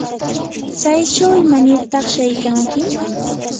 ¿tsaychaw imanirtaq shaykanki?